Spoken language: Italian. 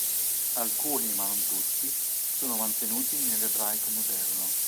Alcuni, ma non tutti, sono mantenuti nell'ebraico moderno.